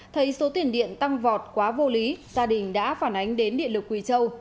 thấy số tiền điện tăng vọt quá vô lý gia đình đã phản ánh đến điện lực quỳ châu